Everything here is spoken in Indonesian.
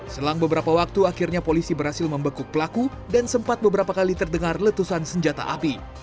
selang beberapa waktu akhirnya polisi berhasil membekuk pelaku dan sempat beberapa kali terdengar letusan senjata api